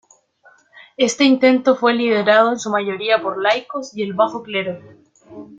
Este intento fue liderado en su mayoría por laicos y el bajo clero.